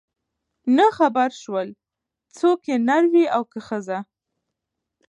نه خبر سول څوک چي نر وې او که ښځه